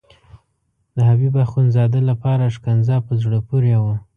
د حبیب اخندزاده لپاره ښکنځا په زړه پورې وه.